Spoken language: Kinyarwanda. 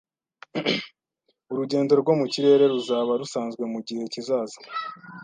Urugendo rwo mu kirere ruzaba rusanzwe mugihe kizaza.